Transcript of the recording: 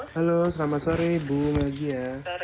halo selamat sore ibu melgia